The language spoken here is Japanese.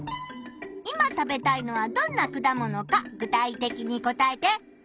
いま食べたいのはどんな果物か具体的に答えて！